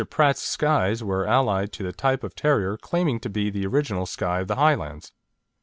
Pratt's Skyes were allied to the type of terrier claiming to be the original Skye of the Highlands.